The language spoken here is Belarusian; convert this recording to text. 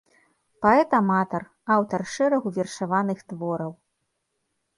Паэт-аматар, аўтар шэрагу вершаваных твораў.